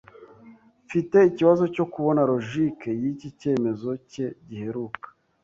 Mfite ikibazo cyo kubona logique yiki cyemezo cye giheruka.